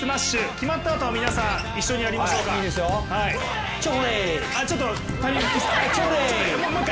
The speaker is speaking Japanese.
決まったあとは皆さん、一緒にやりましょうか。